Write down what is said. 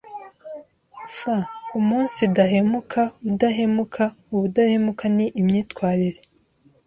f) Umunsidahemuka udahemuka Ubudahemuka ni imyitwarire